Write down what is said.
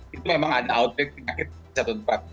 karena memang ada hawatir penyakit di satu tempat